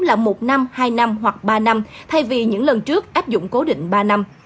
là một năm hai năm hoặc ba năm thay vì những lần trước áp dụng cố định ba năm